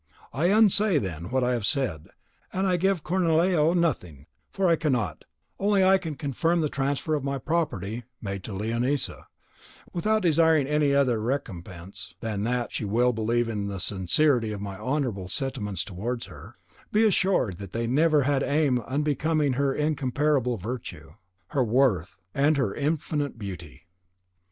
I unsay, then, what I have said, and I give Cornelio nothing, for I cannot; only I confirm the transfer of my property made to Leonisa, without desiring any other recompense than that she will believe in the sincerity of my honourable sentiments towards her, and be assured that they never had an aim unbecoming her incomparable virtue, her worth, and her infinite beauty."